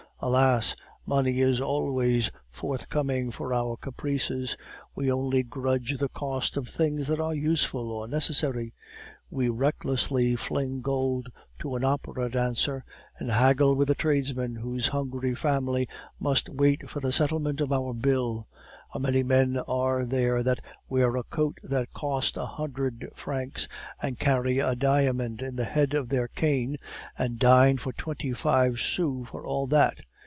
Alas! money is always forthcoming for our caprices; we only grudge the cost of things that are useful or necessary. We recklessly fling gold to an opera dancer, and haggle with a tradesman whose hungry family must wait for the settlement of our bill. How many men are there that wear a coat that cost a hundred francs, and carry a diamond in the head of their cane, and dine for twenty five SOUS for all that!